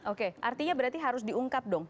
oke artinya berarti harus diungkap dong